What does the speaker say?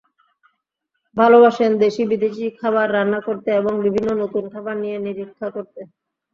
ভালোবাসেন দেশি-বিদেশি খাবার রান্না করতে এবং বিভিন্ন নতুন খাবার নিয়ে নিরীক্ষা করতে।